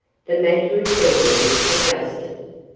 "The matter is already adjusted.